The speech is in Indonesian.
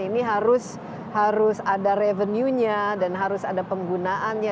ini harus ada revenue nya dan harus ada penggunaannya